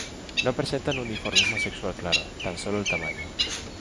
No presentan un dimorfismo sexual claro, tan sólo el tamaño.